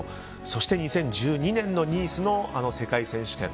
そして２０１２年のニースの世界選手権。